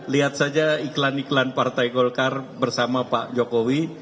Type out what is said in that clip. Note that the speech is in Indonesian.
lihat saja iklan iklan partai golkar bersama pak jokowi